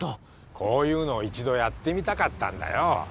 こういうの一度やってみたかったんだよ。